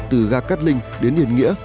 từ gác cát linh đến yên nghĩa